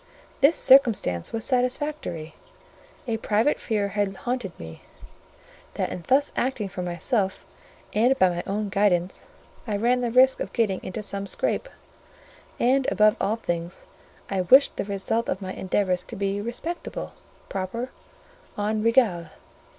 This circumstance was satisfactory: a private fear had haunted me, that in thus acting for myself, and by my own guidance, I ran the risk of getting into some scrape; and, above all things, I wished the result of my endeavours to be respectable, proper, en règle.